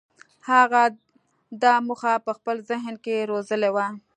هغه دا موخه په خپل ذهن کې روزلې وه.